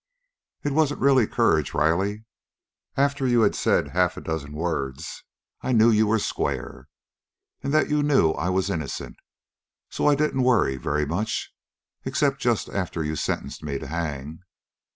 "It wasn't really courage, Riley. After you'd said half a dozen words I knew you were square, and that you knew I was innocent. So I didn't worry very much except just after you'd sentenced me to hang!"